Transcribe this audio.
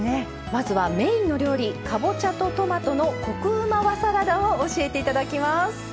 まずはメインの料理かぼちゃとトマトのコクうま和サラダを教えて頂きます。